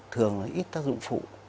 thường nó ít tác dụng phụ